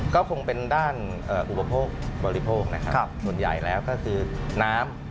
ก็คงเป็นด้านอุปโภคบริโภคนะครับส่วนใหญ่แล้วก็คือน้ำ